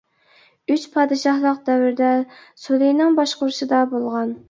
ئۈچ پادىشاھلىق دەۋرىدە سۇلىنىڭ باشقۇرۇشىدا بولغان.